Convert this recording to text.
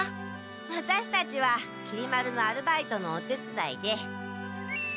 ワタシたちはきり丸のアルバイトのおてつだいで。